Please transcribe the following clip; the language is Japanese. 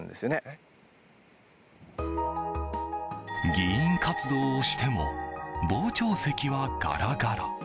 議員活動をしても傍聴席はガラガラ。